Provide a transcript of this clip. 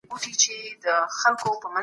که زده کړه وسي مهارتونه لوړېږي.